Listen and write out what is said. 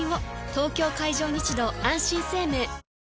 東京海上日動あんしん生命